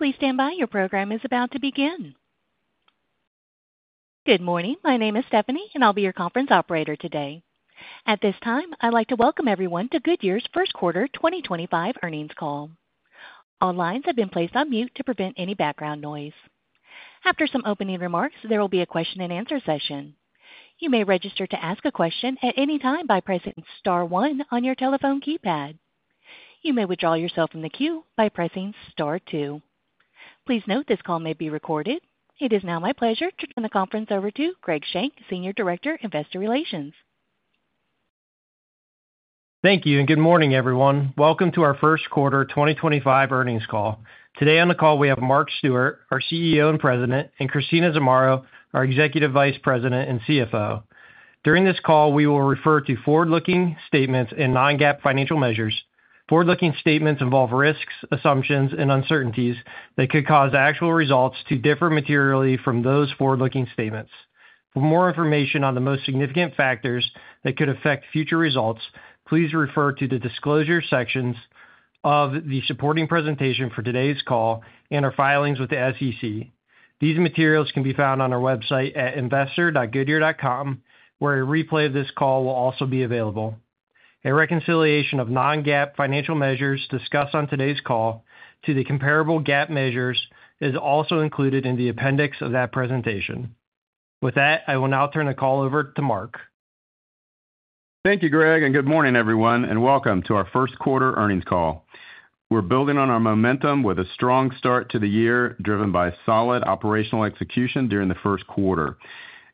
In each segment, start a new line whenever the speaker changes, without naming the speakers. Please stand by. Your program is about to begin. Good morning. My name is Stephanie, and I'll be your conference operator today. At this time, I'd like to welcome everyone to Goodyear's first quarter 2025 earnings call. All lines have been placed on mute to prevent any background noise. After some opening remarks, there will be a question-and-answer session. You may register to ask a question at any time by pressing star one on your telephone keypad. You may withdraw yourself from the queue by pressing star two. Please note this call may be recorded. It is now my pleasure to turn the conference over to Greg Shank, Senior Director, Investor Relations.
Thank you and good morning, everyone. Welcome to our first quarter 2025 earnings call. Today on the call, we have Mark Stewart, our CEO and President, and Christina Zamarro, our Executive Vice President and CFO. During this call, we will refer to forward-looking statements and non-GAAP financial measures. Forward-looking statements involve risks, assumptions, and uncertainties that could cause actual results to differ materially from those forward-looking statements. For more information on the most significant factors that could affect future results, please refer to the disclosure sections of the supporting presentation for today's call and our filings with the SEC. These materials can be found on our website at investor.goodyear.com, where a replay of this call will also be available. A reconciliation of non-GAAP financial measures discussed on today's call to the comparable GAAP measures is also included in the appendix of that presentation. With that, I will now turn the call over to Mark.
Thank you, Greg, and good morning, everyone, and welcome to our first quarter earnings call. We're building on our momentum with a strong start to the year, driven by solid operational execution during the first quarter.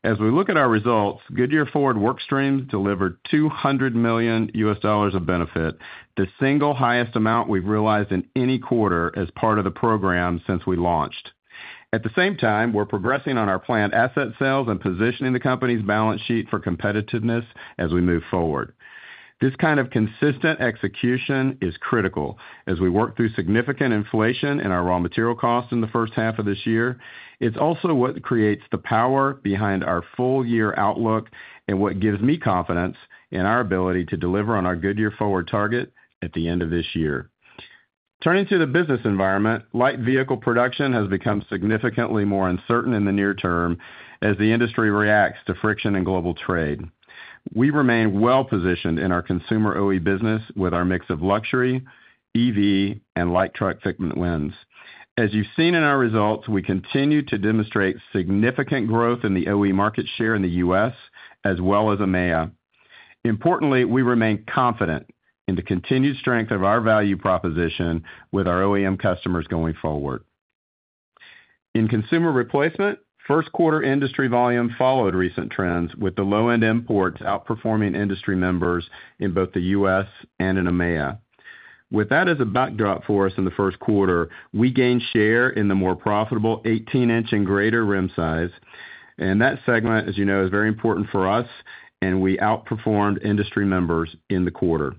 As we look at our results, Goodyear Forward Workstream delivered $200 million of benefit, the single highest amount we've realized in any quarter as part of the program since we launched. At the same time, we're progressing on our planned asset sales and positioning the company's balance sheet for competitiveness as we move forward. This kind of consistent execution is critical as we work through significant inflation in our raw material costs in the first half of this year. It's also what creates the power behind our full-year outlook and what gives me confidence in our ability to deliver on our Goodyear Forward target at the end of this year. Turning to the business environment, light vehicle production has become significantly more uncertain in the near term as the industry reacts to friction in global trade. We remain well-positioned in our consumer OE business with our mix of luxury, EV, and light truck fitment wins. As you've seen in our results, we continue to demonstrate significant growth in the OE market share in the U.S. as well as EMEA. Importantly, we remain confident in the continued strength of our value proposition with our OEM customers going forward. In consumer replacement, first quarter industry volume followed recent trends with the low-end imports outperforming industry members in both the U.S. and in EMEA. With that as a backdrop for us in the first quarter, we gained share in the more profitable 18-inch and greater rim size. That segment, as you know, is very important for us, and we outperformed industry members in the quarter.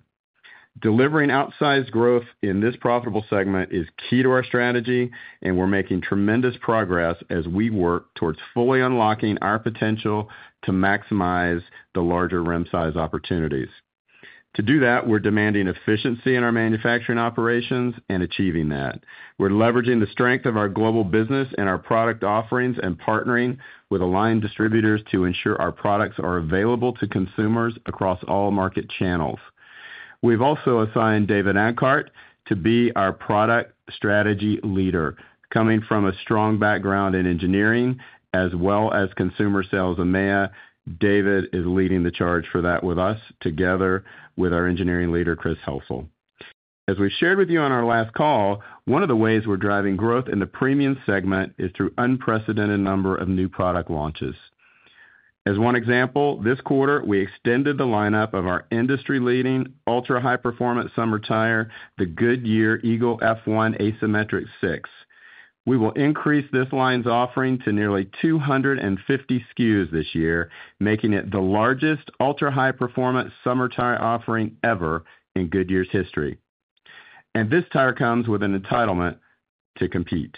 Delivering outsized growth in this profitable segment is key to our strategy, and we're making tremendous progress as we work towards fully unlocking our potential to maximize the larger rim size opportunities. To do that, we're demanding efficiency in our manufacturing operations and achieving that. We're leveraging the strength of our global business and our product offerings and partnering with aligned distributors to ensure our products are available to consumers across all market channels. We've also assigned David Anckaert to be our product strategy leader. Coming from a strong background in engineering as well as consumer sales EMEA, David is leading the charge for that with us together with our engineering leader, Chris Helsel. As we've shared with you on our last call, one of the ways we're driving growth in the premium segment is through an unprecedented number of new product launches. As one example, this quarter, we extended the lineup of our industry-leading ultra-high-performance summer tire, the Goodyear Eagle F1 Asymmetric 6. We will increase this line's offering to nearly 250 SKUs this year, making it the largest ultra-high-performance summer tire offering ever in Goodyear's history. This tire comes with an entitlement to compete.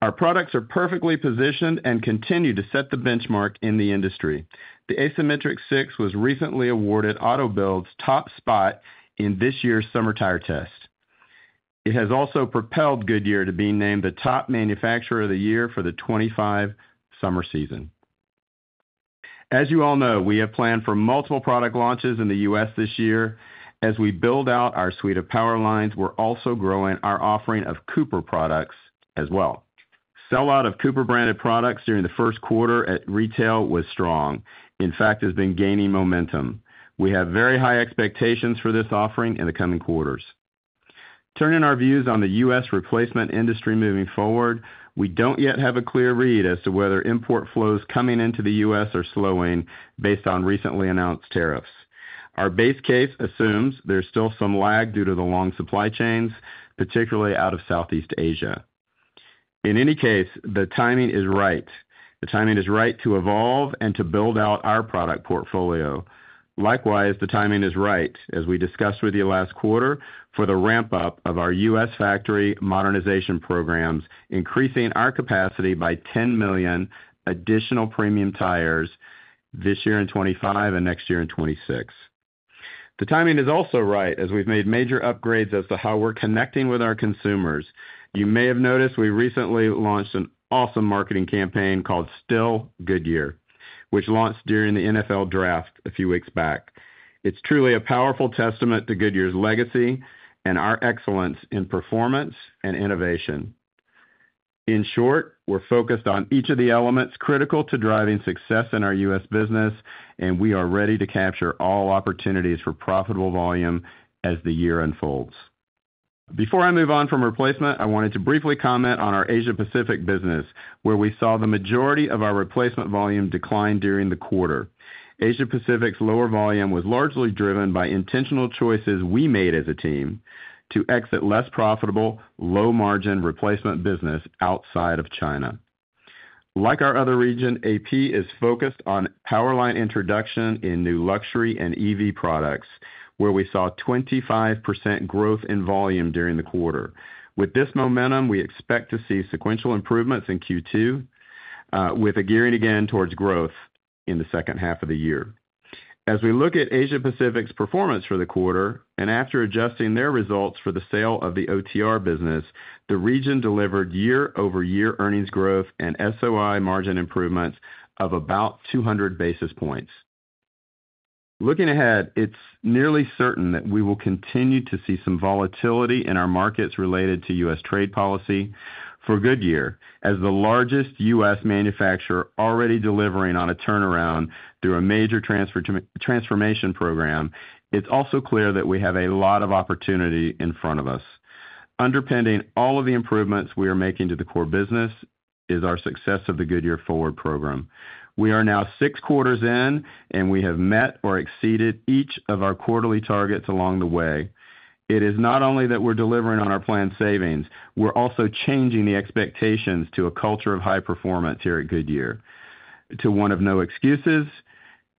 Our products are perfectly positioned and continue to set the benchmark in the industry. The Asymmetric 6 was recently awarded Autobild's top spot in this year's summer tire test. It has also propelled Goodyear to be named the top manufacturer of the year for the 2025 summer season. As you all know, we have planned for multiple product launches in the U.S. this year. As we build out our suite of power lines, we're also growing our offering of Cooper products as well. Sellout of Cooper-branded products during the first quarter at retail was strong. In fact, it's been gaining momentum. We have very high expectations for this offering in the coming quarters. Turning our views on the U.S. replacement industry moving forward, we don't yet have a clear read as to whether import flows coming into the U.S. are slowing based on recently announced tariffs. Our base case assumes there's still some lag due to the long supply chains, particularly out of Southeast Asia. In any case, the timing is right. The timing is right to evolve and to build out our product portfolio. Likewise, the timing is right, as we discussed with you last quarter, for the ramp-up of our U.S. factory modernization programs, increasing our capacity by 10 million additional premium tires this year in 2025 and next year in 2026. The timing is also right as we've made major upgrades as to how we're connecting with our consumers. You may have noticed we recently launched an awesome marketing campaign called Still Goodyear, which launched during the NFL draft a few weeks back. It's truly a powerful testament to Goodyear's legacy and our excellence in performance and innovation. In short, we're focused on each of the elements critical to driving success in our U.S. business, and we are ready to capture all opportunities for profitable volume as the year unfolds. Before I move on from replacement, I wanted to briefly comment on our Asia-Pacific business, where we saw the majority of our replacement volume decline during the quarter. Asia-Pacific's lower volume was largely driven by intentional choices we made as a team to exit less profitable, low-margin replacement business outside of China. Like our other region, AP is focused on power line introduction in new luxury and EV products, where we saw 25% growth in volume during the quarter. With this momentum, we expect to see sequential improvements in Q2, with a gearing again towards growth in the second half of the year. As we look at Asia-Pacific's performance for the quarter, and after adjusting their results for the sale of the OTR business, the region delivered year-over-year earnings growth and SOI margin improvements of about 200 basis points. Looking ahead, it's nearly certain that we will continue to see some volatility in our markets related to U.S. trade policy for Goodyear. As the largest U.S. manufacturer already delivering on a turnaround through a major transformation program, it's also clear that we have a lot of opportunity in front of us. Underpinning all of the improvements we are making to the core business is our success of the Goodyear Forward program. We are now six quarters in, and we have met or exceeded each of our quarterly targets along the way. It is not only that we're delivering on our planned savings, we're also changing the expectations to a culture of high performance here at Goodyear, to one of no excuses,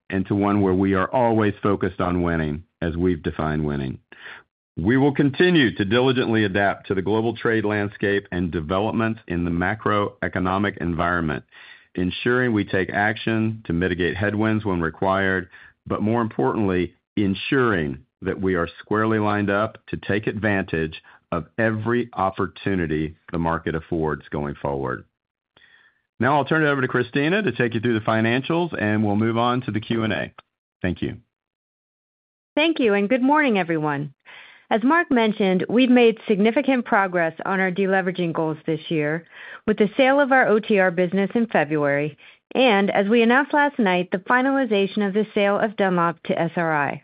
and to one where we are always focused on winning, as we've defined winning. We will continue to diligently adapt to the global trade landscape and developments in the macroeconomic environment, ensuring we take action to mitigate headwinds when required, but more importantly, ensuring that we are squarely lined up to take advantage of every opportunity the market affords going forward. Now I'll turn it over to Christina to take you through the financials, and we'll move on to the Q&A. Thank you.
Thank you, and good morning, everyone. As Mark mentioned, we've made significant progress on our deleveraging goals this year with the sale of our OTR business in February, and as we announced last night, the finalization of the sale of Dunlop to SRI.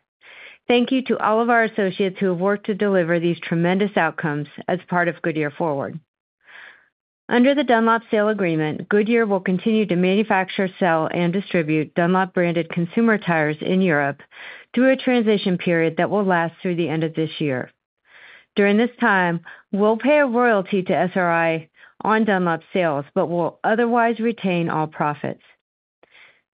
Thank you to all of our associates who have worked to deliver these tremendous outcomes as part of Goodyear Forward. Under the Dunlop sale agreement, Goodyear will continue to manufacture, sell, and distribute Dunlop-branded consumer tires in Europe through a transition period that will last through the end of this year. During this time, we'll pay a royalty to SRI on Dunlop sales, but we'll otherwise retain all profits.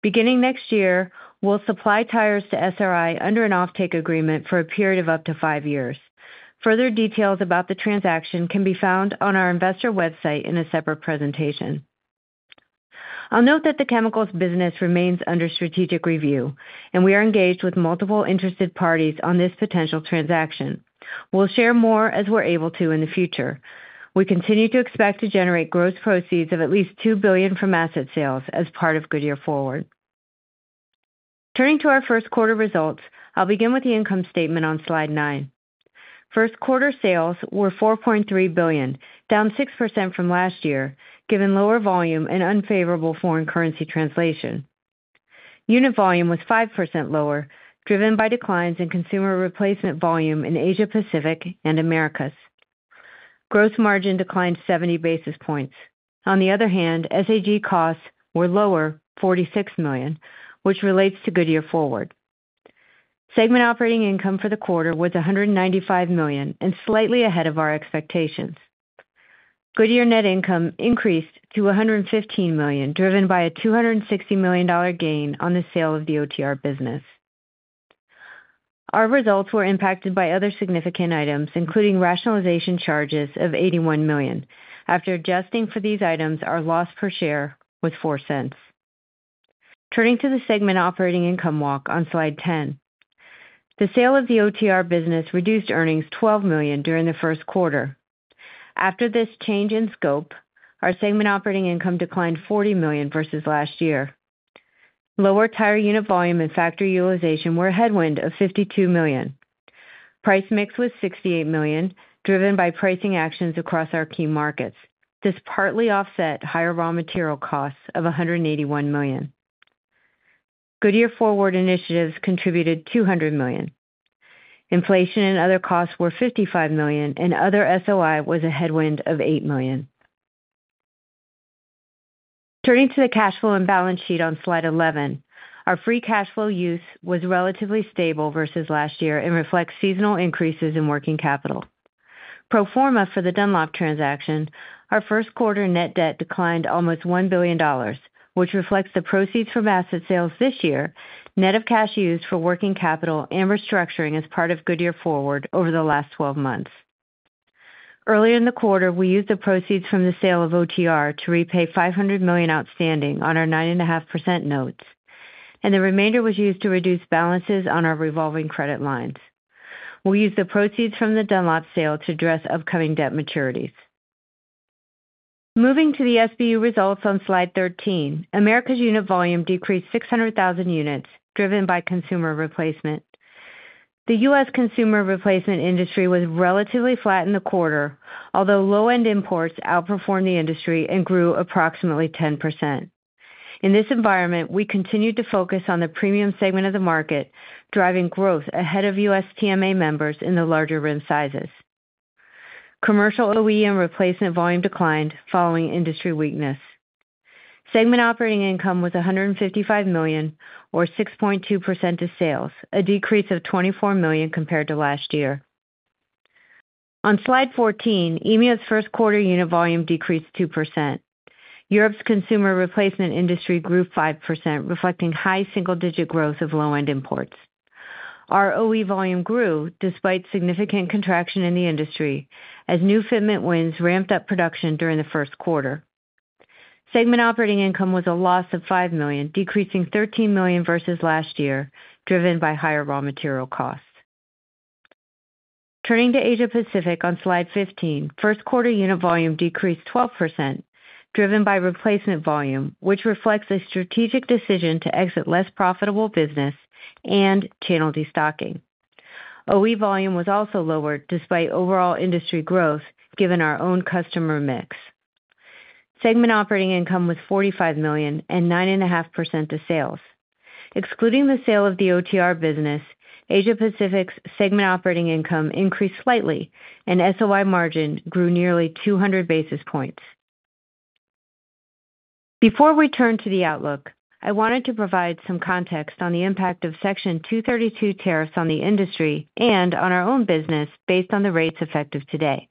Beginning next year, we'll supply tires to SRI under an off-take agreement for a period of up to five years. Further details about the transaction can be found on our investor website in a separate presentation. I'll note that the chemicals business remains under strategic review, and we are engaged with multiple interested parties on this potential transaction. We'll share more as we're able to in the future. We continue to expect to generate gross proceeds of at least $2 billion from asset sales as part of Goodyear Forward. Turning to our first quarter results, I'll begin with the income statement on slide nine. First quarter sales were $4.3 billion, down 6% from last year, given lower volume and unfavorable foreign currency translation. Unit volume was 5% lower, driven by declines in consumer replacement volume in Asia-Pacific and Americas. Gross margin declined 70 basis points. On the other hand, SAG costs were lower, $46 million, which relates to Goodyear Forward. Segment operating income for the quarter was $195 million and slightly ahead of our expectations. Goodyear net income increased to $115 million, driven by a $260 million gain on the sale of the OTR business. Our results were impacted by other significant items, including rationalization charges of $81 million. After adjusting for these items, our loss per share was $0.04. Turning to the segment operating income walk on slide 10, the sale of the OTR business reduced earnings $12 million during the first quarter. After this change in scope, our segment operating income declined $40 million versus last year. Lower tire unit volume and factory utilization were a headwind of $52 million. Price mix was $68 million, driven by pricing actions across our key markets. This partly offset higher raw material costs of $181 million. Goodyear Forward initiatives contributed $200 million. Inflation and other costs were $55 million, and other SOI was a headwind of $8 million. Turning to the cash flow and balance sheet on slide 11, our free cash flow use was relatively stable versus last year and reflects seasonal increases in working capital. Pro forma for the Dunlop transaction, our first quarter net debt declined almost $1 billion, which reflects the proceeds from asset sales this year, net of cash used for working capital and restructuring as part of Goodyear Forward over the last 12 months. Earlier in the quarter, we used the proceeds from the sale of OTR to repay $500 million outstanding on our 9.5% notes, and the remainder was used to reduce balances on our revolving credit lines. We'll use the proceeds from the Dunlop sale to address upcoming debt maturities. Moving to the SBU results on slide 13, Americas unit volume decreased 600,000 units, driven by consumer replacement. The U.S. consumer replacement industry was relatively flat in the quarter, although low-end imports outperformed the industry and grew approximately 10%. In this environment, we continued to focus on the premium segment of the market, driving growth ahead of U.S. TMA members in the larger rim sizes. Commercial OEM replacement volume declined following industry weakness. Segment operating income was $155 million, or 6.2% of sales, a decrease of $24 million compared to last year. On slide 14, EMEA's first quarter unit volume decreased 2%. Europe's consumer replacement industry grew 5%, reflecting high single-digit growth of low-end imports. Our OE volume grew despite significant contraction in the industry as new fitment wins ramped up production during the first quarter. Segment operating income was a loss of $5 million, decreasing $13 million versus last year, driven by higher raw material costs. Turning to Asia-Pacific on slide 15, first quarter unit volume decreased 12%, driven by replacement volume, which reflects a strategic decision to exit less profitable business and channel destocking. OE volume was also lower despite overall industry growth, given our own customer mix. Segment operating income was $45 million and 9.5% of sales. Excluding the sale of the OTR business, Asia-Pacific's segment operating income increased slightly, and SOI margin grew nearly 200 basis points. Before we turn to the outlook, I wanted to provide some context on the impact of Section 232 tariffs on the industry and on our own business based on the rates effective today.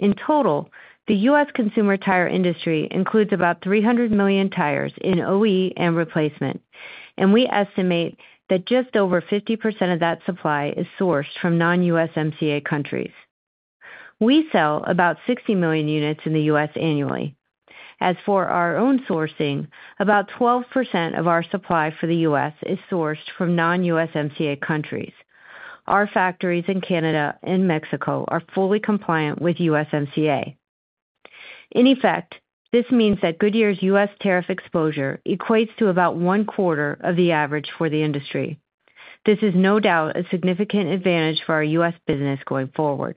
In total, the U.S. consumer tire industry includes about 300 million tires in OE and replacement, and we estimate that just over 50% of that supply is sourced from non-USMCA countries. We sell about 60 million units in the U.S. annually. As for our own sourcing, about 12% of our supply for the U.S. is sourced from non-USMCA countries. Our factories in Canada and Mexico are fully compliant with USMCA. In effect, this means that Goodyear's U.S. tariff exposure equates to about one quarter of the average for the industry. This is no doubt a significant advantage for our U.S. business going forward.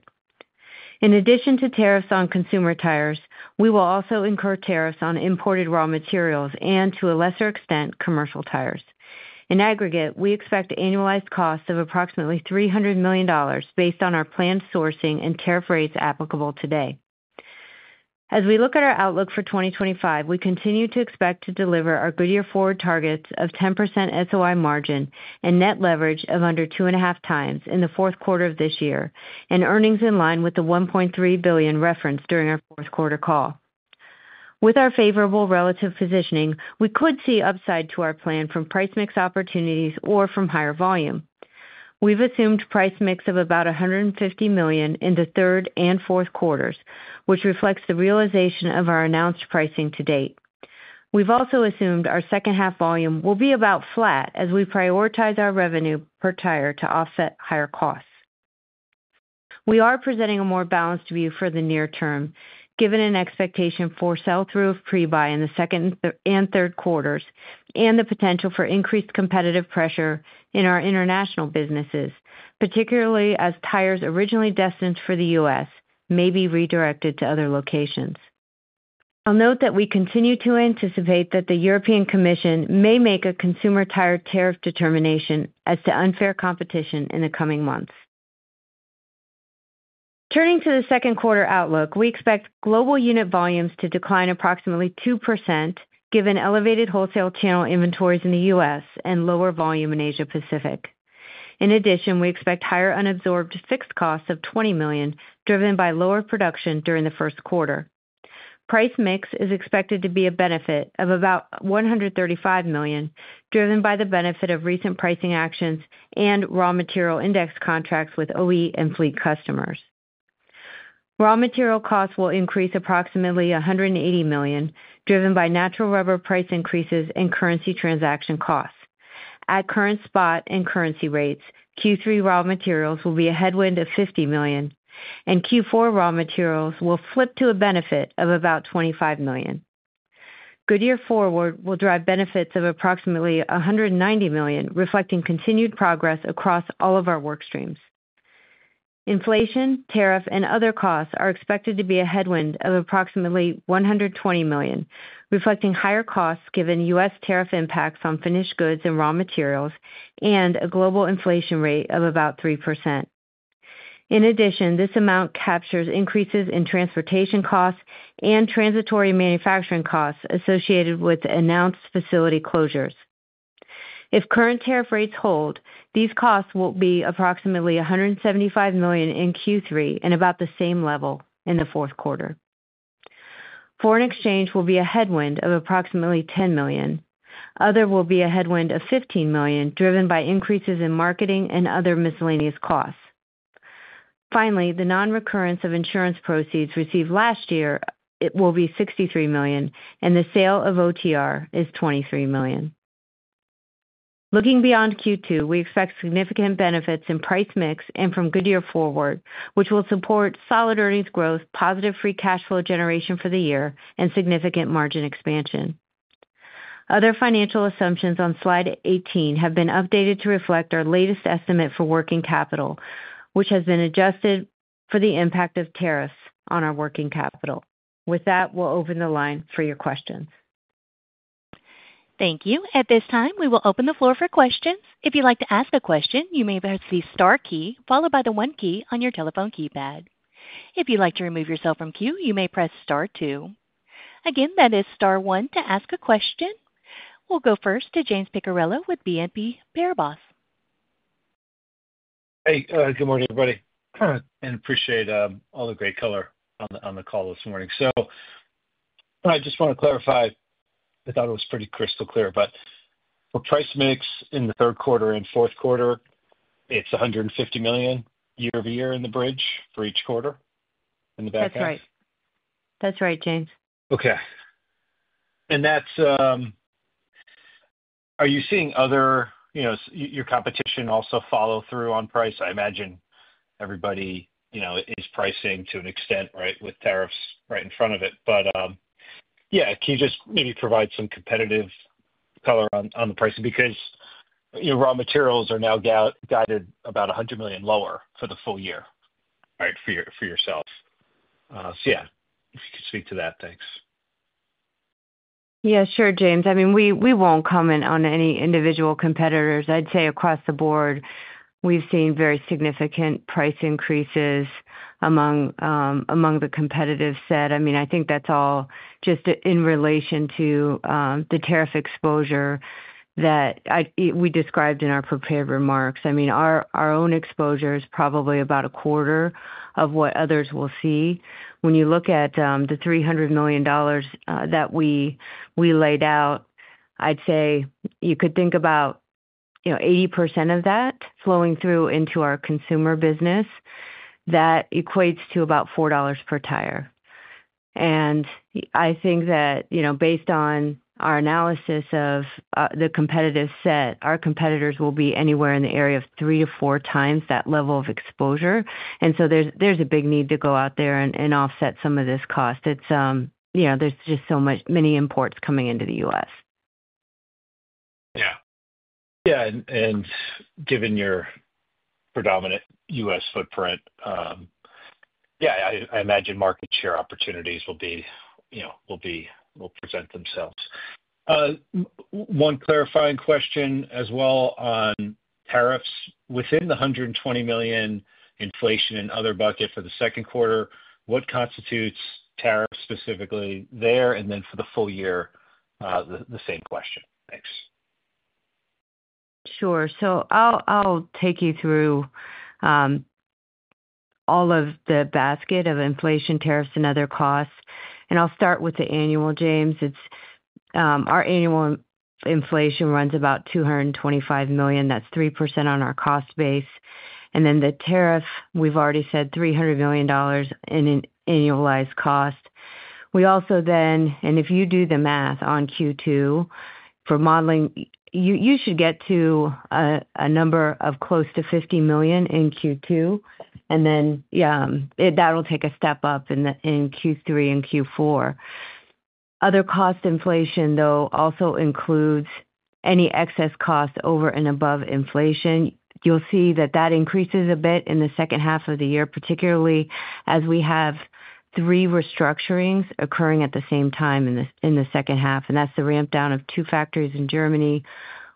In addition to tariffs on consumer tires, we will also incur tariffs on imported raw materials and, to a lesser extent, commercial tires. In aggregate, we expect annualized costs of approximately $300 million based on our planned sourcing and tariff rates applicable today. As we look at our outlook for 2025, we continue to expect to deliver our Goodyear Forward targets of 10% SOI margin and net leverage of under 2.5 times in the fourth quarter of this year, and earnings in line with the $1.3 billion reference during our fourth quarter call. With our favorable relative positioning, we could see upside to our plan from price mix opportunities or from higher volume. We've assumed price mix of about $150 million in the third and fourth quarters, which reflects the realization of our announced pricing to date. We've also assumed our second-half volume will be about flat as we prioritize our revenue per tire to offset higher costs. We are presenting a more balanced view for the near term, given an expectation for sell-through of pre-buy in the second and third quarters and the potential for increased competitive pressure in our international businesses, particularly as tires originally destined for the U.S. may be redirected to other locations. I'll note that we continue to anticipate that the European Commission may make a consumer tire tariff determination as to unfair competition in the coming months. Turning to the second quarter outlook, we expect global unit volumes to decline approximately 2%, given elevated wholesale channel inventories in the U.S. and lower volume in Asia-Pacific. In addition, we expect higher unabsorbed fixed costs of $20 million, driven by lower production during the first quarter. Price mix is expected to be a benefit of about $135 million, driven by the benefit of recent pricing actions and raw material index contracts with OE and fleet customers. Raw material costs will increase approximately $180 million, driven by natural rubber price increases and currency transaction costs. At current spot and currency rates, Q3 raw materials will be a headwind of $50 million, and Q4 raw materials will flip to a benefit of about $25 million. Goodyear Forward will drive benefits of approximately $190 million, reflecting continued progress across all of our work streams. Inflation, tariff, and other costs are expected to be a headwind of approximately $120 million, reflecting higher costs given U.S. tariff impacts on finished goods and raw materials and a global inflation rate of about 3%. In addition, this amount captures increases in transportation costs and transitory manufacturing costs associated with announced facility closures. If current tariff rates hold, these costs will be approximately $175 million in Q3 and about the same level in the fourth quarter. Foreign exchange will be a headwind of approximately $10 million. Other will be a headwind of $15 million, driven by increases in marketing and other miscellaneous costs. Finally, the non-recurrence of insurance proceeds received last year will be $63 million, and the sale of OTR is $23 million. Looking beyond Q2, we expect significant benefits in price mix and from Goodyear Forward, which will support solid earnings growth, positive free cash flow generation for the year, and significant margin expansion. Other financial assumptions on slide 18 have been updated to reflect our latest estimate for working capital, which has been adjusted for the impact of tariffs on our working capital. With that, we'll open the line for your questions. Thank you.
At this time, we will open the floor for questions. If you'd like to ask a question, you may press the star key followed by the one key on your telephone keypad. If you'd like to remove yourself from queue, you may press star two. Again, that is star one to ask a question. We'll go first to James Picariello with BNP Paribas.
Hey, good morning, everybody. I appreciate all the great color on the call this morning. I just want to clarify. I thought it was pretty crystal clear, but for price mix in the third quarter and fourth quarter, it is $150 million year-over-year in the bridge for each quarter in the back end.
That's right. That's right, James.
Okay. Are you seeing your competition also follow through on price? I imagine everybody is pricing to an extent, right, with tariffs right in front of it. Can you just maybe provide some competitive color on the pricing? Because raw materials are now guided about $100 million lower for the full year, right, for yourself. If you could speak to that, thanks.
Yeah, sure, James. I mean, we won't comment on any individual competitors. I'd say across the board, we've seen very significant price increases among the competitive set. I mean, I think that's all just in relation to the tariff exposure that we described in our prepared remarks. I mean, our own exposure is probably about a quarter of what others will see. When you look at the $300 million that we laid out, I'd say you could think about 80% of that flowing through into our consumer business. That equates to about $4 per tire. I think that based on our analysis of the competitive set, our competitors will be anywhere in the area of three to four times that level of exposure. There is a big need to go out there and offset some of this cost. There are just so many imports coming into the U.S.
Yeah. Yeah. And given your predominant U.S. footprint, yeah, I imagine market share opportunities will present themselves. One clarifying question as well on tariffs. Within the $120 million inflation and other bucket for the second quarter, what constitutes tariffs specifically there? And then for the full year, the same question. Thanks.
Sure. I'll take you through all of the basket of inflation, tariffs, and other costs. I'll start with the annual, James. Our annual inflation runs about $225 million. That's 3% on our cost base. The tariff, we've already said $300 million in annualized cost. If you do the math on Q2 for modeling, you should get to a number of close to $50 million in Q2. That'll take a step up in Q3 and Q4. Other cost inflation also includes any excess cost over and above inflation. You'll see that increases a bit in the second half of the year, particularly as we have three restructurings occurring at the same time in the second half. That's the ramp-down of two factories in Germany,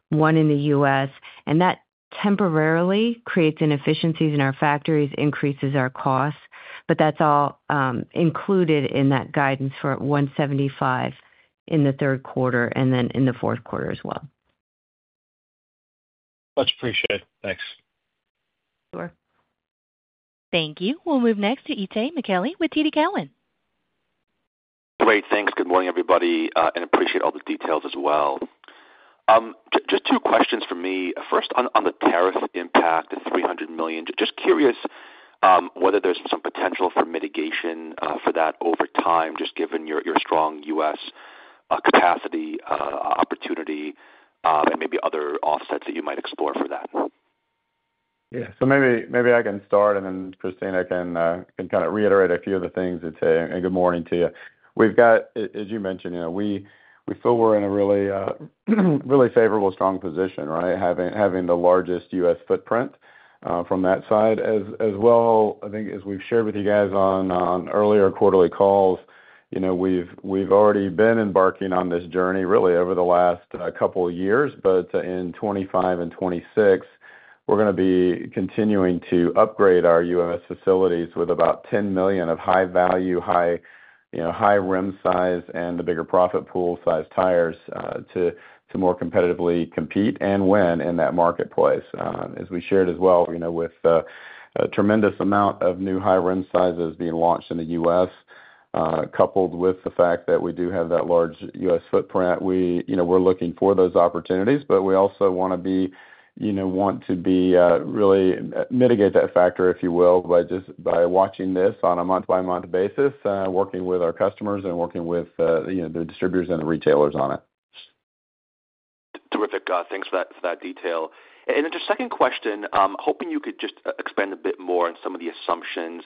one in the U.S. That temporarily creates inefficiencies in our factories, increases our costs, but that's all included in that guidance for $175 million in the third quarter and then in the fourth quarter as well.
Much appreciated. Thanks.
Thank you. We'll move next to Itay Michaeli with TD Cowen.
Great. Thanks. Good morning, everybody. I appreciate all the details as well. Just two questions for me. First, on the tariff impact, the $300 million, just curious whether there's some potential for mitigation for that over time, just given your strong U.S. capacity opportunity and maybe other offsets that you might explore for that.
Yeah. Maybe I can start, and then Christina can kind of reiterate a few of the things and say a good morning to you. We've got, as you mentioned, we feel we're in a really favorable, strong position, right, having the largest U.S. footprint from that side. As well, I think, as we've shared with you guys on earlier quarterly calls, we've already been embarking on this journey really over the last couple of years. In 2025 and 2026, we're going to be continuing to upgrade our U.S. facilities with about $10 million of high-value, high rim size, and the bigger profit pool size tires to more competitively compete and win in that marketplace. As we shared as well, with a tremendous amount of new high rim sizes being launched in the U.S., coupled with the fact that we do have that large U.S. footprint, we're looking for those opportunities, but we also want to really mitigate that factor, if you will, by watching this on a month-by-month basis, working with our customers and working with the distributors and the retailers on it.
Terrific. Thanks for that detail. Just second question, hoping you could just expand a bit more on some of the assumptions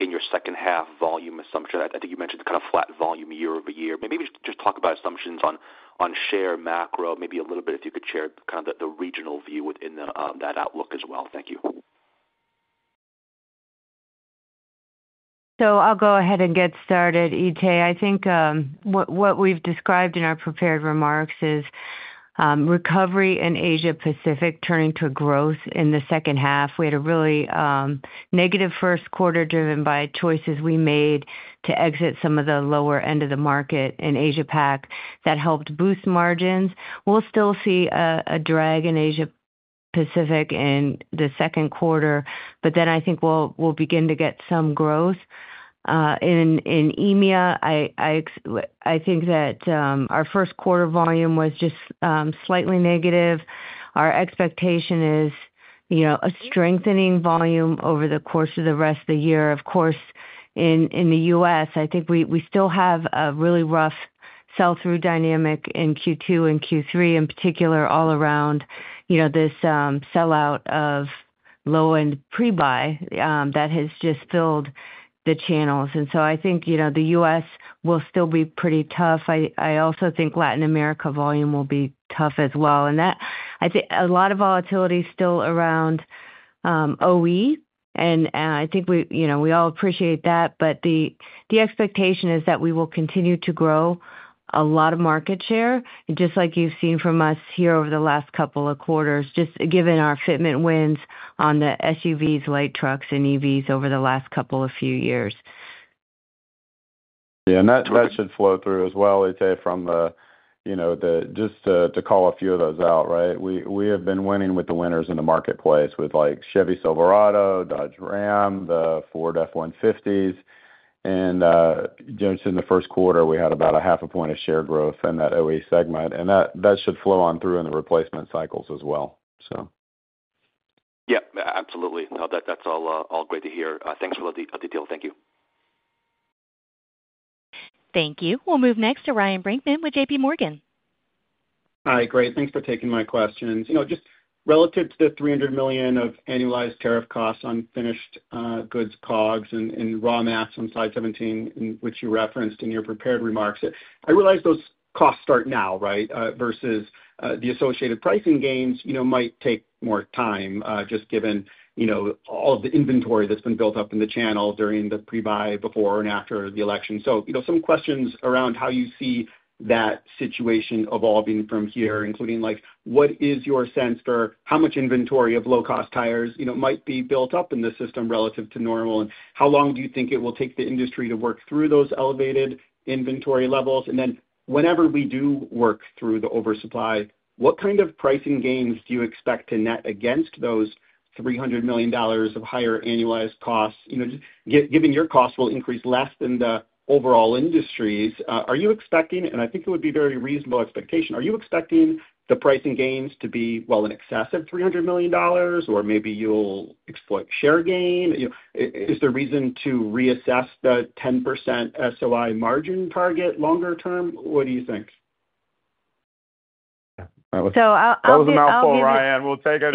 in your second-half volume assumption. I think you mentioned kind of flat volume year-over-year. Maybe just talk about assumptions on share, macro, maybe a little bit if you could share kind of the regional view within that outlook as well. Thank you.
I'll go ahead and get started, Itay. I think what we've described in our prepared remarks is recovery in Asia-Pacific turning to growth in the second half. We had a really negative first quarter driven by choices we made to exit some of the lower end of the market in Asia-Pacific that helped boost margins. We'll still see a drag in Asia-Pacific in the second quarter, but then I think we'll begin to get some growth. In EMEA, I think that our first quarter volume was just slightly negative. Our expectation is a strengthening volume over the course of the rest of the year. Of course, in the U.S., I think we still have a really rough sell-through dynamic in Q2 and Q3, in particular, all around this sellout of low-end pre-buy that has just filled the channels. I think the U.S. will still be pretty tough. I also think Latin America volume will be tough as well. I think a lot of volatility is still around OE, and I think we all appreciate that. The expectation is that we will continue to grow a lot of market share, just like you've seen from us here over the last couple of quarters, just given our fitment wins on the SUVs, light trucks, and EVs over the last couple of few years.
Yeah. That should flow through as well, ET, from the just to call a few of those out, right? We have been winning with the winners in the marketplace with Chevy Silverado, Dodge Ram, the Ford F-150s. Just in the first quarter, we had about half a point of share growth in that OE segment. That should flow on through in the replacement cycles as well, so.
Yep. Absolutely. No, that's all great to hear. Thanks for the detail. Thank you.
Thank you. We'll move next to Ryan Brinkman with JPMorgan.
Hi. Great. Thanks for taking my questions. Just relative to the $300 million of annualized tariff costs on finished goods, COGS, and raw maths on slide 17, which you referenced in your prepared remarks, I realize those costs start now, right, versus the associated pricing gains might take more time just given all of the inventory that's been built up in the channel during the pre-buy before and after the election. Some questions around how you see that situation evolving from here, including what is your sense for how much inventory of low-cost tires might be built up in the system relative to normal, and how long do you think it will take the industry to work through those elevated inventory levels? Whenever we do work through the oversupply, what kind of pricing gains do you expect to net against those $300 million of higher annualized costs? Given your costs will increase less than the overall industries, are you expecting—and I think it would be a very reasonable expectation—are you expecting the pricing gains to be well in excess of $300 million, or maybe you'll exploit share gain? Is there a reason to reassess the 10% SOI margin target longer term? What do you think?
I'll.
I'll give it a go.
That was a mouthful, Ryan. We'll take it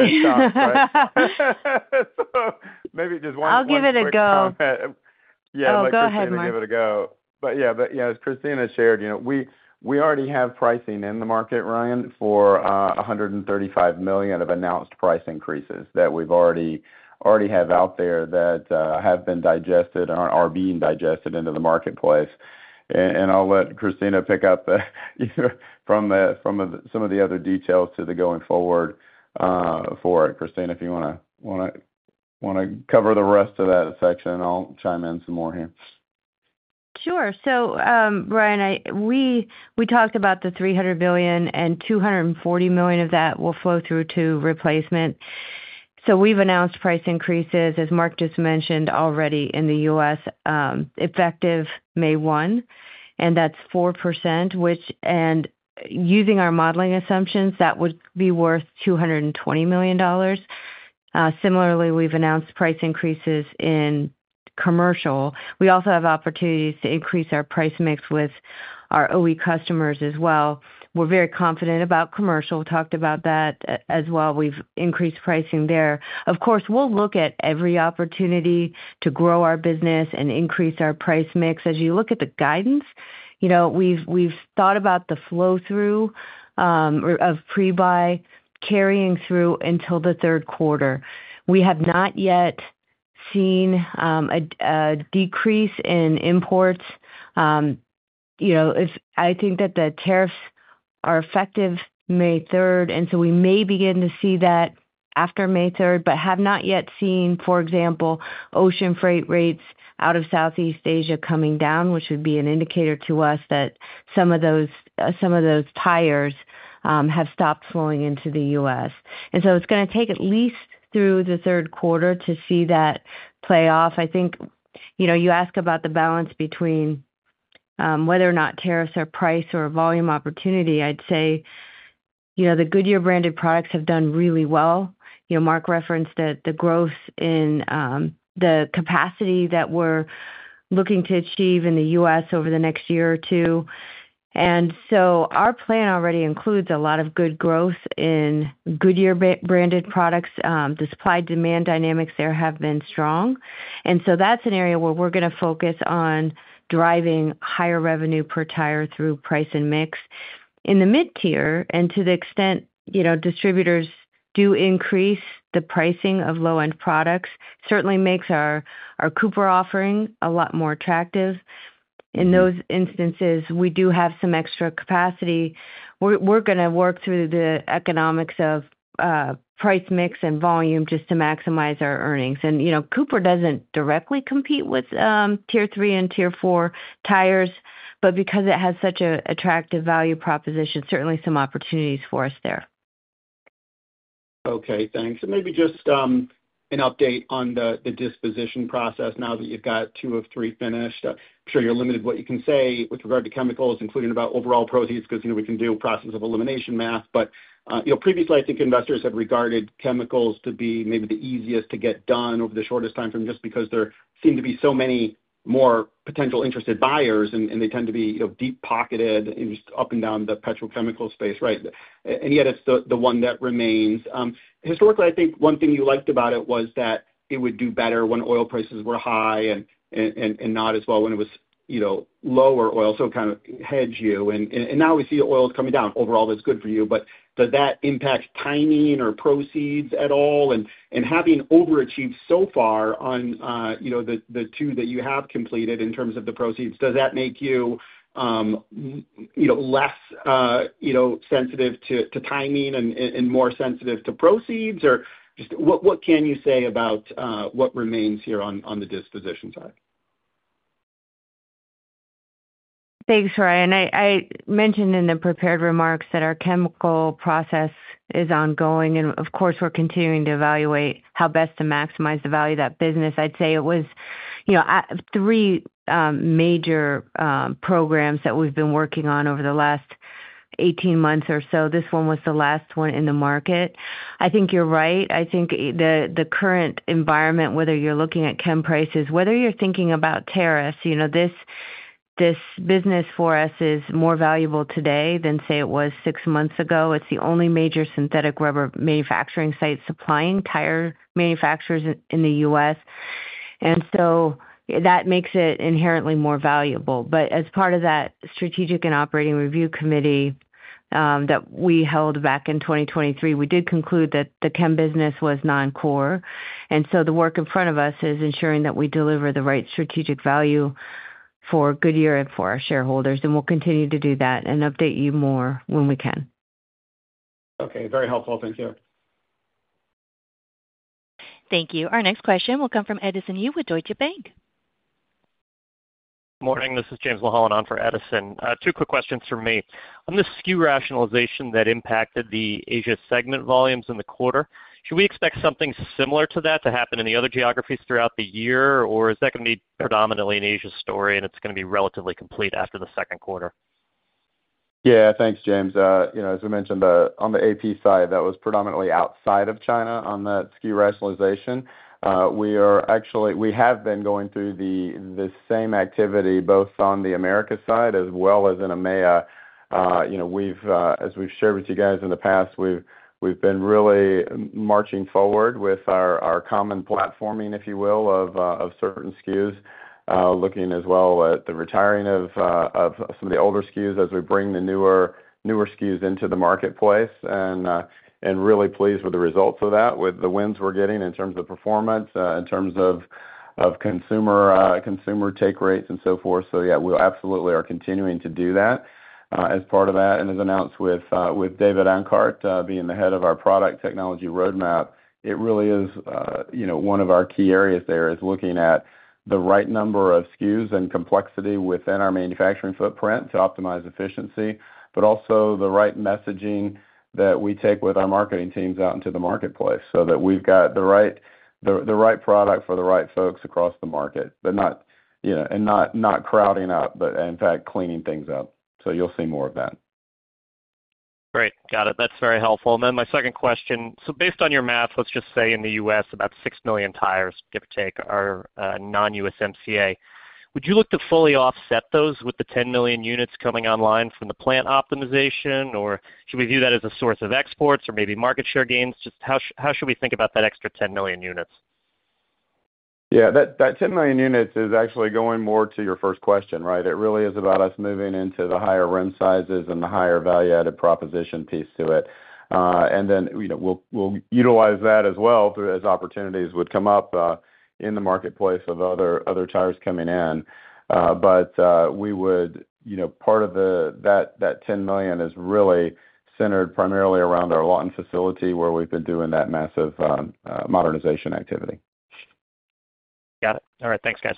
as such. Maybe just one question.
I'll give it a go.
Yeah.
Oh, go ahead, Ryan.
Let Christina give it a go. As Christina shared, we already have pricing in the market, Ryan, for $135 million of announced price increases that we already have out there that have been digested and are being digested into the marketplace. I'll let Christina pick up from some of the other details to the going forward for it. Christina, if you want to cover the rest of that section, I'll chime in some more here.
Sure. Ryan, we talked about the $300 million, and $240 million of that will flow through to replacement. We have announced price increases, as Mark just mentioned already in the U.S., effective May 1, and that is 4%. Using our modeling assumptions, that would be worth $220 million. Similarly, we have announced price increases in commercial. We also have opportunities to increase our price mix with our OE customers as well. We are very confident about commercial. We talked about that as well. We have increased pricing there. Of course, we will look at every opportunity to grow our business and increase our price mix. As you look at the guidance, we have thought about the flow-through of pre-buy carrying through until the third quarter. We have not yet seen a decrease in imports. I think that the tariffs are effective May 3rd, and we may begin to see that after May 3rd, but have not yet seen, for example, ocean freight rates out of Southeast Asia coming down, which would be an indicator to us that some of those tires have stopped flowing into the U.S. It is going to take at least through the third quarter to see that play off. I think you ask about the balance between whether or not tariffs are price or volume opportunity. I'd say the Goodyear branded products have done really well. Mark referenced the growth in the capacity that we're looking to achieve in the U.S. over the next year or two. Our plan already includes a lot of good growth in Goodyear branded products. The supply-demand dynamics there have been strong. That is an area where we are going to focus on driving higher revenue per tire through price and mix. In the mid-tier, and to the extent distributors do increase the pricing of low-end products, it certainly makes our Cooper offering a lot more attractive. In those instances, we do have some extra capacity. We are going to work through the economics of price mix and volume just to maximize our earnings. Cooper does not directly compete with tier three and tier four tires, but because it has such an attractive value proposition, there are certainly some opportunities for us there.
Okay. Thanks. Maybe just an update on the disposition process now that you've got two of three finished. I'm sure you're limited to what you can say with regard to chemicals, including about overall proceeds, because we can do process of elimination math. Previously, I think investors had regarded chemicals to be maybe the easiest to get done over the shortest time frame just because there seem to be so many more potential interested buyers, and they tend to be deep-pocketed just up and down the petrochemical space, right? Yet it's the one that remains. Historically, I think one thing you liked about it was that it would do better when oil prices were high and not as well when it was lower oil, so kind of hedge you. Now we see oil is coming down overall, that's good for you. Does that impact timing or proceeds at all? Having overachieved so far on the two that you have completed in terms of the proceeds, does that make you less sensitive to timing and more sensitive to proceeds? What can you say about what remains here on the disposition side?
Thanks, Ryan. I mentioned in the prepared remarks that our chemical process is ongoing, and of course, we're continuing to evaluate how best to maximize the value of that business. I'd say it was three major programs that we've been working on over the last 18 months or so. This one was the last one in the market. I think you're right. I think the current environment, whether you're looking at chem prices, whether you're thinking about tariffs, this business for us is more valuable today than, say, it was six months ago. It's the only major synthetic rubber manufacturing site supplying tire manufacturers in the U.S. That makes it inherently more valuable. As part of that strategic and operating review committee that we held back in 2023, we did conclude that the chem business was non-core. The work in front of us is ensuring that we deliver the right strategic value for Goodyear and for our shareholders. We will continue to do that and update you more when we can.
Okay. Very helpful. Thank you.
Thank you. Our next question will come from Edison Yu with Deutsche Bank.
Good morning. This is James Mulholland on for Edison. Two quick questions for me. On the SKU rationalization that impacted the Asia segment volumes in the quarter, should we expect something similar to that to happen in the other geographies throughout the year, or is that going to be predominantly an Asia story and it is going to be relatively complete after the second quarter?
Yeah. Thanks, James. As we mentioned, on the AP side, that was predominantly outside of China on that SKU rationalization. We have been going through the same activity both on the Americas side as well as in EMEA. As we've shared with you guys in the past, we've been really marching forward with our common platforming, if you will, of certain SKUs, looking as well at the retiring of some of the older SKUs as we bring the newer SKUs into the marketplace. Really pleased with the results of that, with the wins we're getting in terms of performance, in terms of consumer take rates and so forth. Yeah, we absolutely are continuing to do that as part of that. As announced with David Anckaert being the head of our product technology roadmap, it really is one of our key areas there is looking at the right number of SKUs and complexity within our manufacturing footprint to optimize efficiency, but also the right messaging that we take with our marketing teams out into the marketplace so that we have the right product for the right folks across the market, and not crowding up, but in fact, cleaning things up. You will see more of that.
Great. Got it. That's very helpful. My second question. Based on your math, let's just say in the U.S., about 6 million tires, give or take, are non-USMCA. Would you look to fully offset those with the 10 million units coming online from the plant optimization, or should we view that as a source of exports or maybe market share gains? Just how should we think about that extra 10 million units?
Yeah. That 10 million units is actually going more to your first question, right? It really is about us moving into the higher rim sizes and the higher value-added proposition piece to it. We will utilize that as well as opportunities would come up in the marketplace of other tires coming in. Part of that 10 million is really centered primarily around our lot and facility where we have been doing that massive modernization activity.
Got it. All right. Thanks, guys.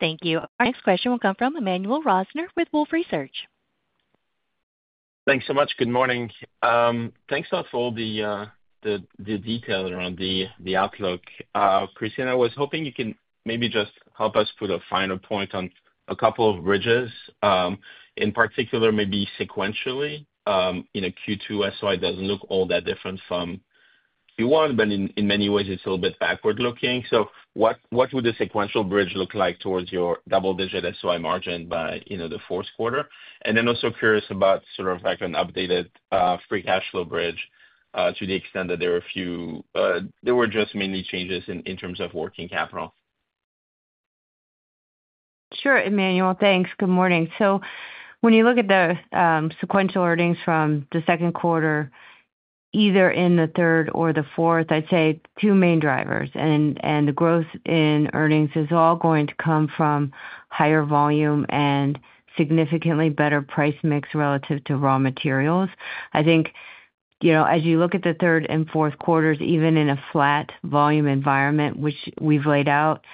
Thank you. Our next question will come from Emmanuel Rosner with Wolfe Research.
Thanks so much. Good morning. Thanks a lot for all the details around the outlook. Christina, I was hoping you can maybe just help us put a final point on a couple of bridges, in particular, maybe sequentially. Q2 SOI does not look all that different from Q1, but in many ways, it is a little bit backward-looking. What would the sequential bridge look like towards your double-digit SOI margin by the fourth quarter? I am also curious about sort of an updated free cash flow bridge to the extent that there were a few, there were just mainly changes in terms of working capital.
Sure, Emmanuel. Thanks. Good morning. When you look at the sequential earnings from the second quarter, either in the third or the fourth, I'd say two main drivers. The growth in earnings is all going to come from higher volume and significantly better price mix relative to raw materials. I think as you look at the third and fourth quarters, even in a flat volume environment, which we've laid out,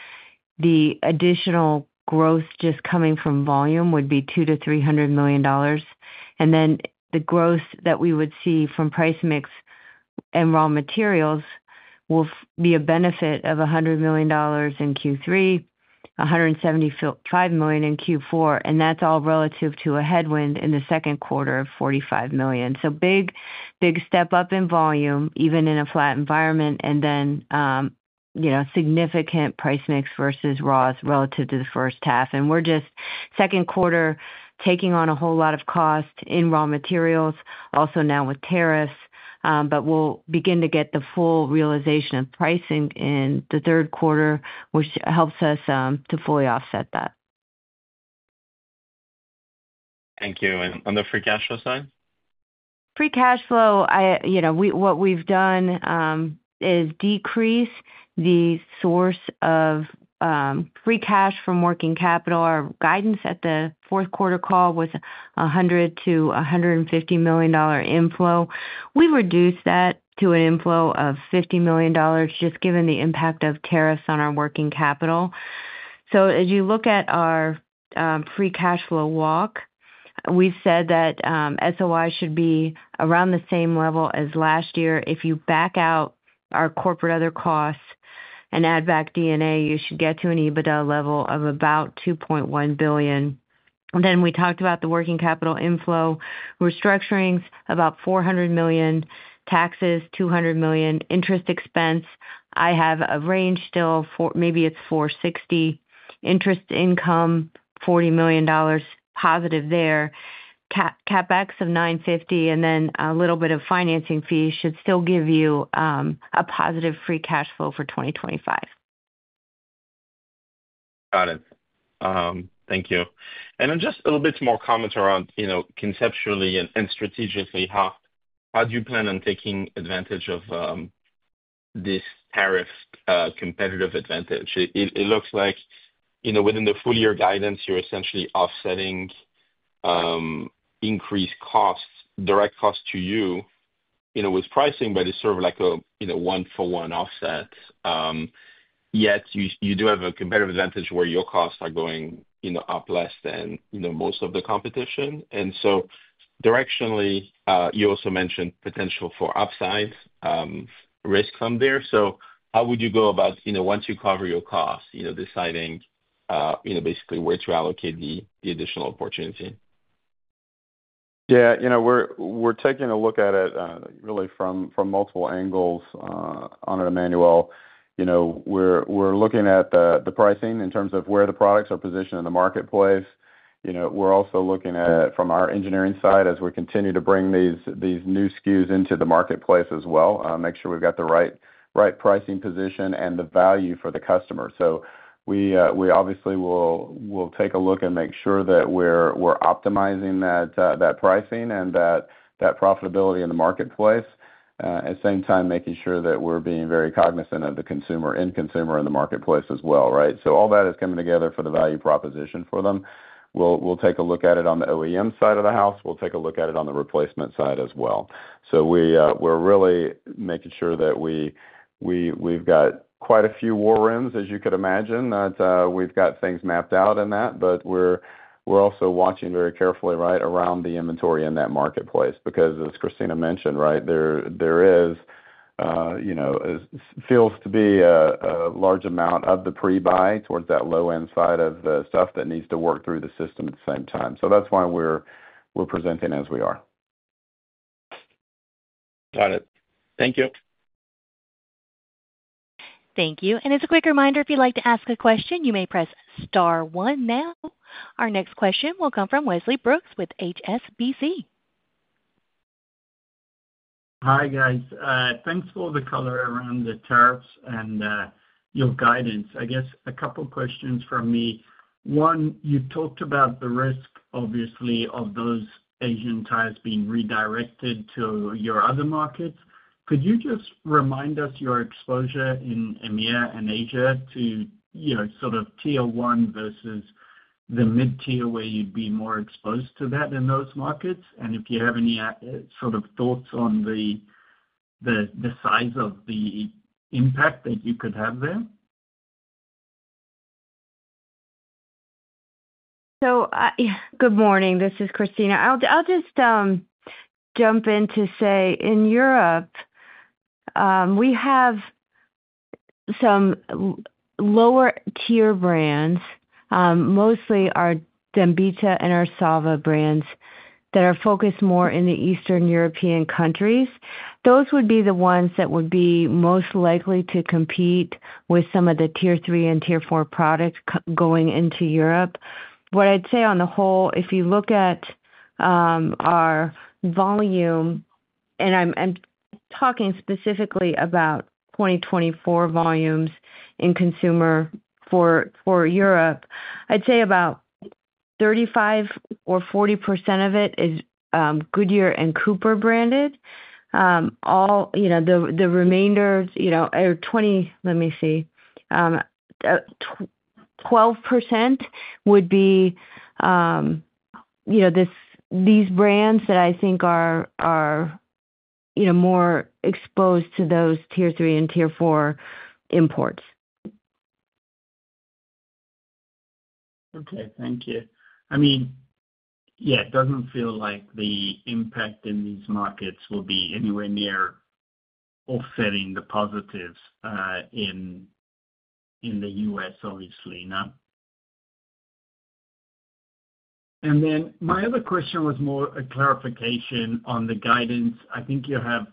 the additional growth just coming from volume would be $200 million-$300 million. The growth that we would see from price mix and raw materials will be a benefit of $100 million in Q3, $175 million in Q4, and that's all relative to a headwind in the second quarter of $45 million. Big step up in volume, even in a flat environment, and then significant price mix versus raws relative to the first half. We are just second quarter taking on a whole lot of cost in raw materials, also now with tariffs, but we will begin to get the full realization of pricing in the third quarter, which helps us to fully offset that.
Thank you. On the free cash flow side?
Free cash flow, what we've done is decrease the source of free cash from working capital. Our guidance at the fourth quarter call was $100-$150 million inflow. We reduced that to an inflow of $50 million just given the impact of tariffs on our working capital. As you look at our free cash flow walk, we've said that SOI should be around the same level as last year. If you back out our corporate other costs and add back D&A, you should get to an EBITDA level of about $2.1 billion. We talked about the working capital inflow. Restructuring's about $400 million, taxes $200 million, interest expense. I have a range still for maybe it's $460, interest income $40 million positive there, CapEx of $950 million, and then a little bit of financing fees should still give you a positive free cash flow for 2025.
Got it. Thank you. And then just a little bit more comment around conceptually and strategically, how do you plan on taking advantage of this tariff competitive advantage? It looks like within the full-year guidance, you're essentially offsetting increased costs, direct costs to you with pricing, but it's sort of like a one-for-one offset. Yet you do have a competitive advantage where your costs are going up less than most of the competition. And so directionally, you also mentioned potential for upside risk from there. So how would you go about, once you cover your costs, deciding basically where to allocate the additional opportunity?
Yeah. We're taking a look at it really from multiple angles on Emmanuel. We're looking at the pricing in terms of where the products are positioned in the marketplace. We're also looking at it from our engineering side as we continue to bring these new SKUs into the marketplace as well, make sure we've got the right pricing position and the value for the customer. We obviously will take a look and make sure that we're optimizing that pricing and that profitability in the marketplace, at the same time making sure that we're being very cognizant of the consumer and consumer in the marketplace as well, right? All that is coming together for the value proposition for them. We'll take a look at it on the OEM side of the house. We'll take a look at it on the replacement side as well. We're really making sure that we've got quite a few war rooms, as you could imagine, that we've got things mapped out in that. We're also watching very carefully right around the inventory in that marketplace because, as Christina mentioned, right, there feels to be a large amount of the pre-buy towards that low-end side of the stuff that needs to work through the system at the same time. That's why we're presenting as we are.
Got it. Thank you.
Thank you. As a quick reminder, if you'd like to ask a question, you may press star one now. Our next question will come from Wesley Brooks with HSBC.
Hi, guys. Thanks for the color around the tariffs and your guidance. I guess a couple of questions from me. One, you talked about the risk, obviously, of those Asian tires being redirected to your other markets. Could you just remind us your exposure in EMEA and Asia to sort of tier one versus the mid-tier where you'd be more exposed to that in those markets? And if you have any sort of thoughts on the size of the impact that you could have there?
Good morning. This is Christina. I'll just jump in to say, in Europe, we have some lower-tier brands, mostly our Debica and our Sava brands that are focused more in the Eastern European countries. Those would be the ones that would be most likely to compete with some of the tier three and tier four products going into Europe. What I'd say on the whole, if you look at our volume, and I'm talking specifically about 2024 volumes in consumer for Europe, I'd say about 35% or 40% of it is Goodyear and Cooper branded. The remainder, let me see, 12% would be these brands that I think are more exposed to those tier three and tier four imports.
Okay. Thank you. I mean, yeah, it does not feel like the impact in these markets will be anywhere near offsetting the positives in the U.S., obviously, no. My other question was more a clarification on the guidance. I think you have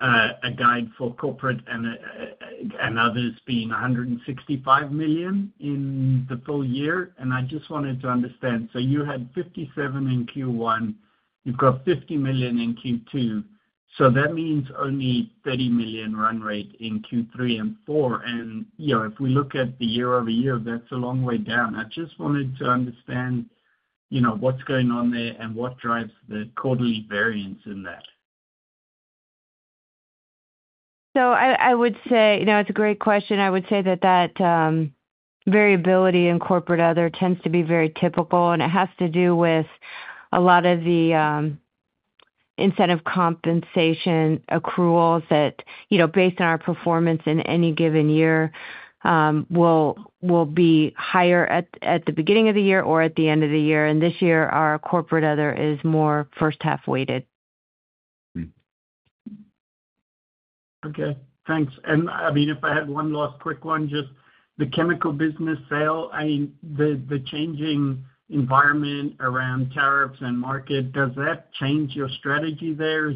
a guide for corporate and others being $165 million in the full year. I just wanted to understand. You had $57 million in Q1. You have $50 million in Q2. That means only $30 million run rate in Q3 and Q4. If we look at the year over year, that is a long way down. I just wanted to understand what is going on there and what drives the quarterly variance in that.
I would say it's a great question. I would say that that variability in corporate other tends to be very typical, and it has to do with a lot of the incentive compensation accruals that, based on our performance in any given year, will be higher at the beginning of the year or at the end of the year. This year, our corporate other is more first-half weighted.
Okay. Thanks. I mean, if I had one last quick one, just the chemical business sale, I mean, the changing environment around tariffs and market, does that change your strategy there?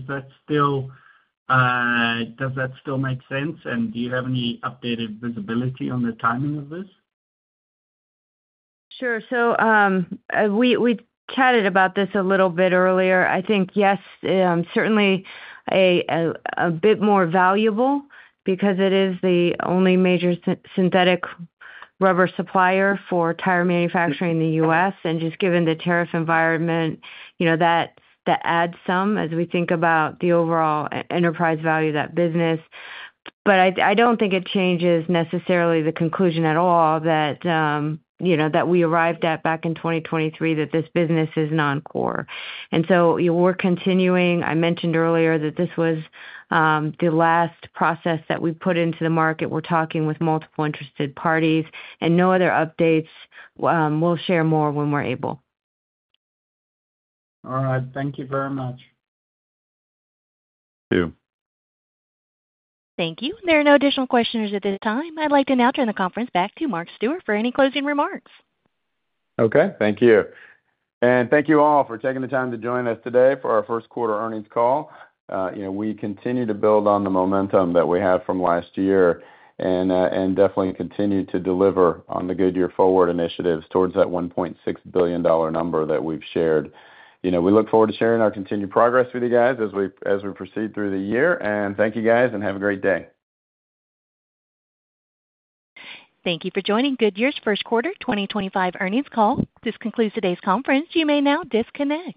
Does that still make sense? Do you have any updated visibility on the timing of this?
Sure. So we chatted about this a little bit earlier. I think, yes, certainly a bit more valuable because it is the only major synthetic rubber supplier for tire manufacturing in the U.S. And just given the tariff environment, that adds some as we think about the overall enterprise value of that business. I do not think it changes necessarily the conclusion at all that we arrived at back in 2023 that this business is non-core. We are continuing. I mentioned earlier that this was the last process that we put into the market. We are talking with multiple interested parties, and no other updates. We will share more when we are able.
All right. Thank you very much.
Thank you.
Thank you. There are no additional questions at this time. I'd like to now turn the conference back to Mark Stewart for any closing remarks.
Okay. Thank you. Thank you all for taking the time to join us today for our first quarter earnings call. We continue to build on the momentum that we had from last year and definitely continue to deliver on the Goodyear Forward initiatives towards that $1.6 billion number that we've shared. We look forward to sharing our continued progress with you guys as we proceed through the year. Thank you, guys, and have a great day.
Thank you for joining Goodyear's first quarter 2025 earnings call. This concludes today's conference. You may now disconnect.